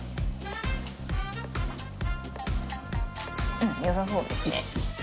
うん、よさそうですね。